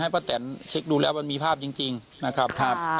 ให้ป้าแทนเช็คดูแล้วมันมีภาพจริงจริงนะครับครับ